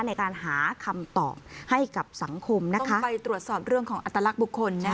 ในการหาคำตอบให้กับสังคมไปตรวจสอบเรื่องของอัตลักษณ์บุคคล